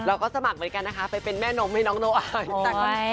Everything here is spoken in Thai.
สมัครเหมือนกันนะคะไปเป็นแม่นมให้น้องนกอาย